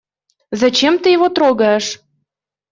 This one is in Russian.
Зачем ты его трогаешь?